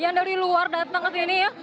yang dari luar datang ke sini ya